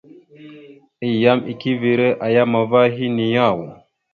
Ayyam eke evere a yam ava henne yaw ?